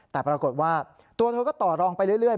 แต่ปรากฏว่าตัวเธอก็ต่อรองไปเรื่อย